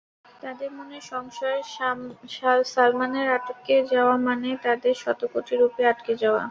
তাঁদের মনে সংশয়, সালমানের আটকে যাওয়া মানে তাঁদের শতকোটি রুপি আটকে যাওয়া।